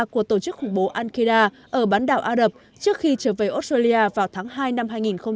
của tổ chức khủng bố al qaeda ở bán đảo arab trước khi trở về australia vào tháng hai năm hai nghìn một mươi bốn